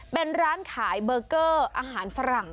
เป็นร้านขายเบอร์เกอร์อาหารฝรั่ง